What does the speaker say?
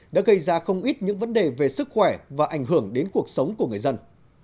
đã gây ra không ít những vấn đề về sức khỏe và ảnh hưởng đến cuộc sống của người dân